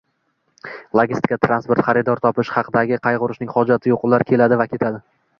Logistika, transport, xaridor topish haqida qayg'urishning hojati yo'q, ular keladi va ketadi